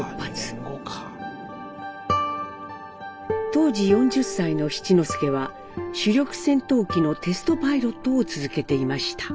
当時４０歳の七之助は主力戦闘機のテストパイロットを続けていました。